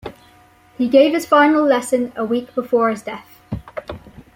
He gave his final lesson a week before his death.